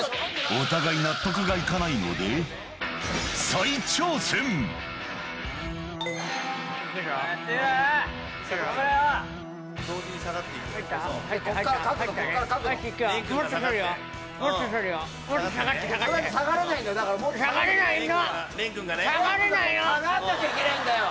お互い納得がいかないので、頑張れよ。